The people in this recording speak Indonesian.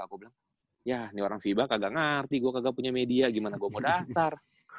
gua bilang yah nih orang vibanya kagak ngerti gua kagak punya media gimana gua mau daftar